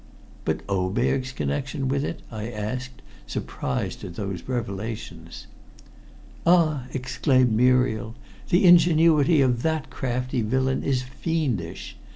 "But Oberg's connection with it?" I asked, surprised at those revelations. "Ah!" exclaimed Muriel. "The ingenuity of that crafty villain is fiendish.